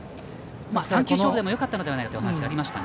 ３球勝負でもよかったのではないかというお話でした。